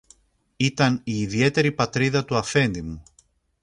Ήταν η ιδιαίτερη πατρίδα του αφέντη μου